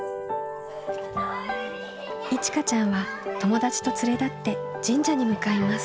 いちかちゃんは友達と連れ立って神社に向かいます。